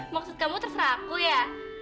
maksud kamu terserah aku ya